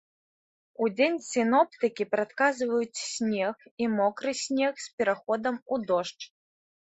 Удзень сіноптыкі прадказваюць снег і мокры снег з пераходам у дождж.